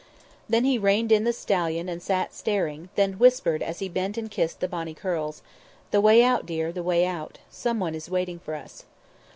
Then he reined in the stallion and sat staring, then whispered, as he bent and kissed the bonny curls: "The way out, dear; the way out. Someone is waiting for us."